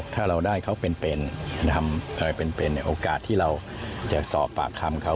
ถ้าเราได้เขาเป็นโอกาสที่เราจะสอบปากคำเขา